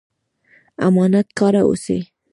امانت کاره اوسئ